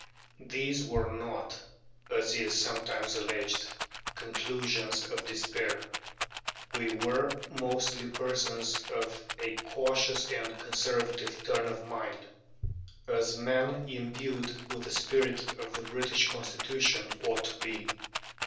These were not, as is sometimes alleged, conclusions of despair. We were mostly persons of a cautious and conservative turn of mind, as men imbued with the spirit of the British Constitution ought to be.